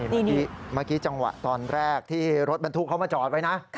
เมื่อกี้จังหวะตอนแรกที่รถบรรทุกเขามาจอดไว้นะ